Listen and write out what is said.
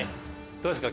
どうですか？